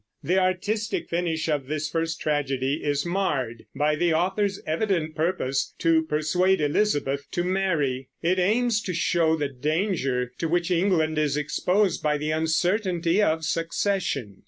The artistic finish of this first tragedy is marred by the authors' evident purpose to persuade Elizabeth to marry. It aims to show the danger to which England is exposed by the uncertainty of succession.